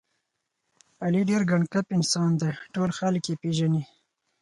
علي ډېر ګنډ کپ انسان دی، ټول خلک یې پېژني.